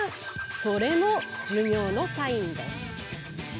それも寿命のサインです。